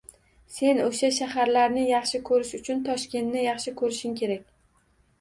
Sen o‘sha shaharlarni yaxshi ko‘rish uchun Toshkentni yaxshi ko‘rishing kerak.